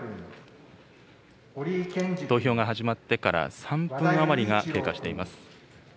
投票が始まってから３分余りが経過しています。